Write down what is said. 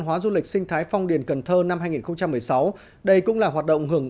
hóa du lịch sinh thái phong điền cần thơ năm hai nghìn một mươi sáu đây cũng là hoạt động hưởng